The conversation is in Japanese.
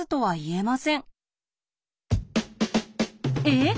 えっ？